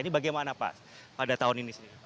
ini bagaimana pak pada tahun ini sendiri